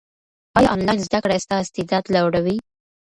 ایا انلاین زده کړه ستا استعداد لوړوي؟